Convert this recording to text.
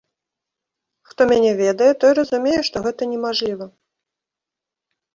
Хто мяне ведае, той разумее, што гэта немажліва.